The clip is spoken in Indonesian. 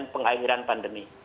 untuk pengelolaan pandemi